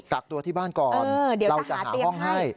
กลับตัวที่บ้านก่อนเดี๋ยวจะหาเตียงให้